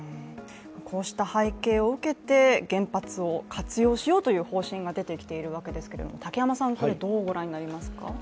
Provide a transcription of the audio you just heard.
こうした背景を受けて原発を活用しようという方針が出てきているわけですけど竹山さんはどうご覧になりますか？